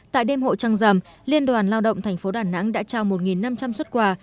tại đêm hội trăng rằm liên đoàn lao động thành phố đà nẵng đã trao một năm trăm linh xuất quà